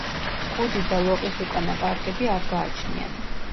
კუდი და ლოყისუკანა პარკები არ გააჩნიათ.